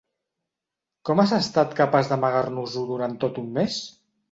¿Com has estat capaç d'amagar-nos-ho durant tot un mes?